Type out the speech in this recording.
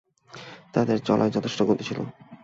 তাদের চলায় যথেষ্ট গতি ছিল।